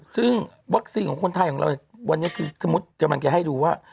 ซึ่งวัคซีนของคนไทยของเราวันนี้คือสมมุติกำลังจะให้ดูว่า